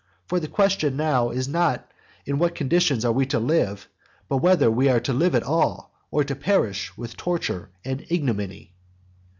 For the question now is not in what condition we are to live, but whether we are to live at all, or to perish with torture and ignominy.